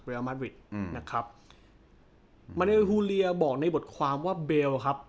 เรียลมัธวิทอืมนะครับบอกในบทความว่าครับ